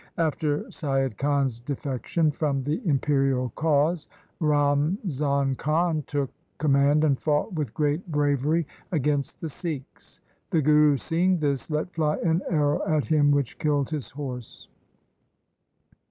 After Saiyad Khan's defection from the imperial cause, Ramzan Khan took com mand and fought with great bravery against the Sikhs. The Guru seeing this let fly an arrow at him which killed his horse.